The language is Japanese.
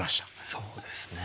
そうですね。